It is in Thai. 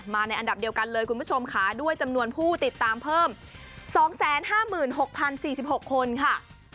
ในอันดับเดียวกันเลยคุณผู้ชมค่ะด้วยจำนวนผู้ติดตามเพิ่ม๒๕๖๐๔๖คนค่ะ